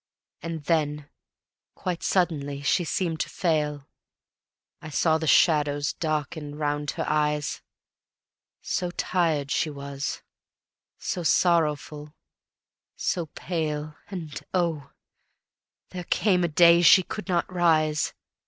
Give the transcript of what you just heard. And then quite suddenly she seemed to fail; I saw the shadows darken round her eyes. So tired she was, so sorrowful, so pale, And oh, there came a day she could not rise.